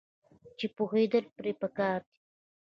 چې پوهیدل پرې پکار دي.